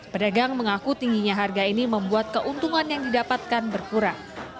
pedagang mengaku tingginya harga ini membuat keuntungan yang didapatkan berkurang